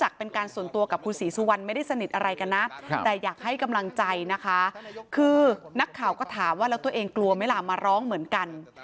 ก็จะมาร้องเหมือนกัน